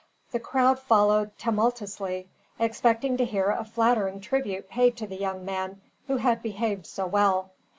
The crowd followed tumultuously, expecting to hear a flattering tribute paid to the young men who had behaved so well.